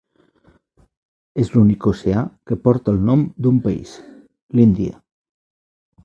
És l'únic oceà que porta el nom d'un país: l'Índia.